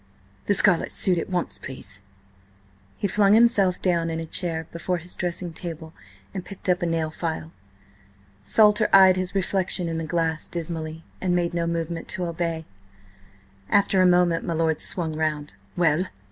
The scarlet suit at once, please." He flung himself down in a chair before his dressing table and picked up a nail file. Salter eyed his reflection in the glass dismally, and made no movement to obey. After a moment my lord swung round. "Well!